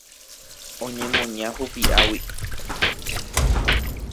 Oñemoña hupi'águi.